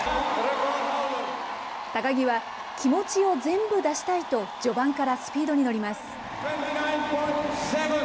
高木は、気持ちを全部出したいと、序盤からスピードに乗ります。